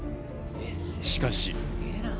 しかし。